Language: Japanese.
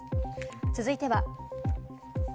続いては。